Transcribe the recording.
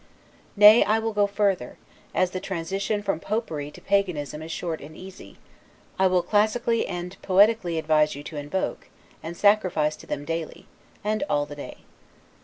Nay, I will go further, as the transition from Popery to Paganism is short and easy, I will classically end poetically advise you to invoke, and sacrifice to them every day, and all the day.